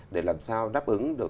để làm sao đáp ứng được